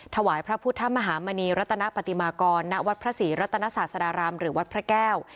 ถวายพระพุทธมหามณีรัตนปฏิมากรณวัดพระศรีรัตนศาสดารามหรือวัดพระแก้ว